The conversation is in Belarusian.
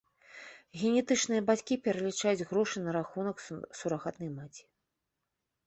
Генетычныя бацькі пералічаюць грошы на рахунак сурагатнай маці.